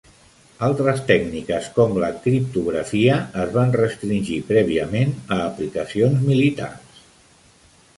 Altres tècniques com la criptografia es van restringir prèviament a aplicacions militars.